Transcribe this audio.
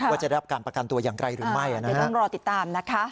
ว่าจะรับการประกันตัวอย่างไกลหรือไม่ต้องรอติดตามนะคะ